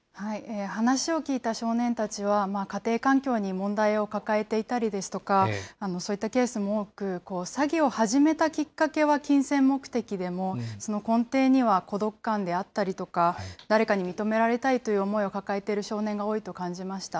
話を聞いた少年たちは、家庭環境に問題を抱えていたりですとか、そういったケースも多く、詐欺を始めたきっかけは金銭目的でも、その根底には孤独感であったりとか、誰かに認められたいという思いを抱えている少年が多いと感じました。